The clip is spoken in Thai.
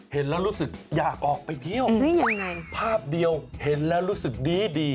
เห็นแล้วรู้สึกอยากออกไปเที่ยวยังไงภาพเดียวเห็นแล้วรู้สึกดีดี